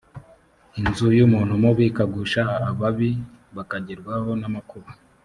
inzu y’umuntu mubi ikagusha ababi bakagerwaho n’amakuba